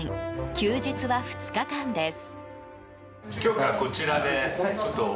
休日は２日間です。